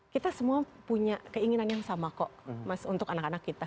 kita semua punya keinginan yang sama kok mas untuk anak anak kita